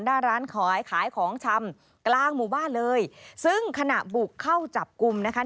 หน้าร้านขายขายของชำกลางหมู่บ้านเลยซึ่งขณะบุกเข้าจับกลุ่มนะคะ